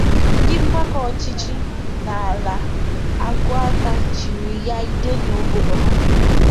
Ndi mgbakọ ọchichi na ala Agụata chiri ya ide na obodo ha.